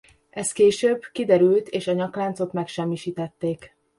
Ez később kiderült és a nyakláncot megsemmisítették.